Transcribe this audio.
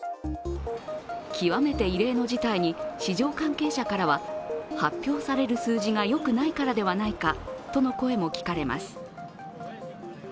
極めて異例の事態に市場関係者からは、発表される数字がよくないからではないかとの声も聞かれます。